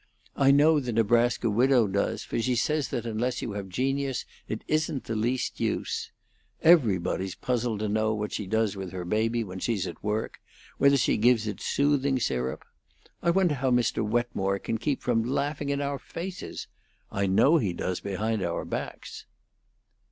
I know the Nebraska widow does, for she says that unless you have genius it isn't the least use. Everybody's puzzled to know what she does with her baby when she's at work whether she gives it soothing syrup. I wonder how Mr. Wetmore can keep from laughing in our faces. I know he does behind our backs."